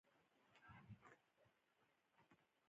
دښتې د افغانستان د ځمکې د جوړښت نښه ده.